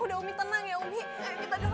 udah umi tenang ya umi ayo kita dong